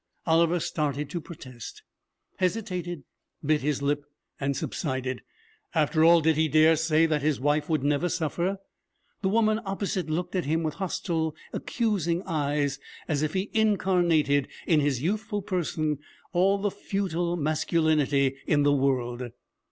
Oliver started to protest, hesitated, bit his lip, and subsided. After all, did he dare say that his wife would never suffer? The woman opposite looked at him with hostile, accusing eyes, as if he incarnated in his youthful person all the futile masculinity in the world.